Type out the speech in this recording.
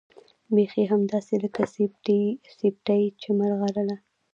بيخي همداسې لکه سيپۍ چې ملغلره